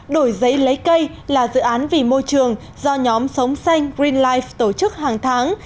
đổi giấy lấy cây là dự án vì môi trường do nhóm sống xanh green life tổ chức hàng tháng